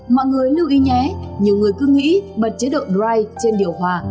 mọi người lưu ý nhé nhiều người cứ nghĩ bật chế độ drise trên điều hòa